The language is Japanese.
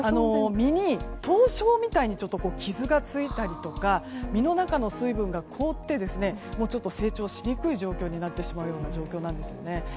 実に凍傷みたいに傷がついたりとか実の中の水分が凍って成長しにくい状況になってしまうんです。